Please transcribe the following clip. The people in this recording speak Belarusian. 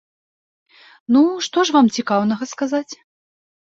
Ну, што ж вам цікаўнага сказаць?